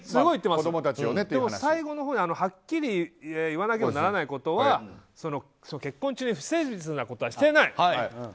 でも、最後のほうにはっきり言わなければならないことは結婚中に不誠実なことはしていない。